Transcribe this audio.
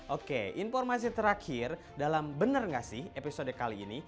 oke informasi terakhir dalam benar gak sih episode kali ini